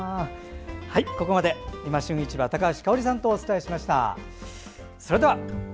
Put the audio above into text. ここまで「いま旬市場」高橋香央里さんとお伝えしました。